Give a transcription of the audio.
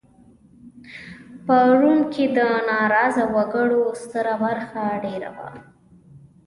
په روم کې د ناراضه وګړو ستره برخه دېره وه